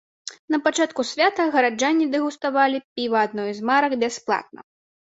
На пачатку свята гараджане дэгуставалі піва адной з марак бясплатна.